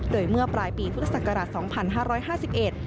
โดยเมื่อปลายปีภุตศักราช๒๕๕๑